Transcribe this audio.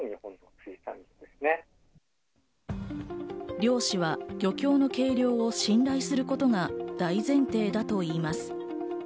漁師は漁協の計量を信頼することが大前提だといいます。